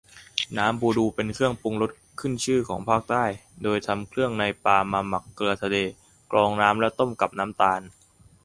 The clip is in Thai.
น้ำบูดู เป็นเครื่องปรุงรสขึ้นชื่อของภาคใต้ โดยทำเครื่องในปลามาหมักเกลือทะเล กรองน้ำ แล้วต้มกับน้ำตาล